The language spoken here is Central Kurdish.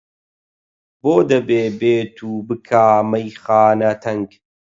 بۆ دەبێ بێت و بکا مەیخانە تەنگ؟!